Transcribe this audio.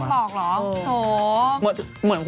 พี่ดังบอกเหรอโย